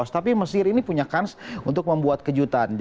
tapi mesir ini punya kans untuk membuat kejutan